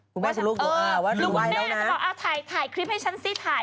ลูกแม่จะบอกถ่ายคลิปให้ฉันซิถ่าย